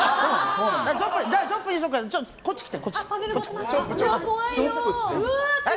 じゃあチョップにしとくからこっちに来て。